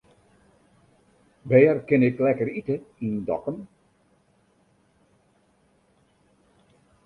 Wêr kin ik lekker ite yn Dokkum?